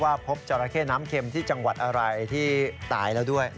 ว่าพบเจราะแข้น้ำเค็มที่ตายแล้วด้วย